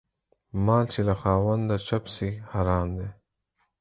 مال چې له خاونده چپ سي حرام دى.